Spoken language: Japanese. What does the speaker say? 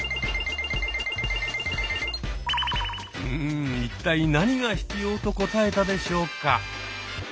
うん一体何が必要と答えたでしょうか？